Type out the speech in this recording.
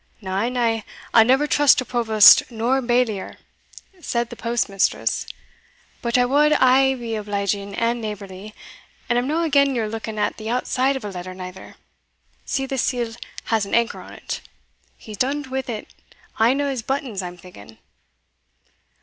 "Na, na, I'll neither trust to provost nor bailier" said the postmistress, "but I wad aye be obliging and neighbourly, and I'm no again your looking at the outside of a letter neither See, the seal has an anchor on't he's done't wi' ane o' his buttons, I'm thinking."